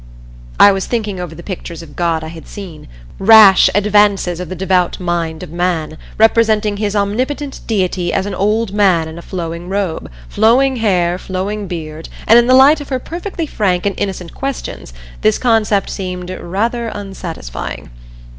I was thinking over the pictures of God I had seen rash advances of the devout mind of man, representing his Omnipotent Deity as an old man in a flowing robe, flowing hair, flowing beard, and in the light of her perfectly frank and innocent questions this concept seemed rather unsatisfying.